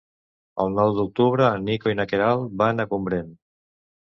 El nou d'octubre en Nico i na Queralt van a Gombrèn.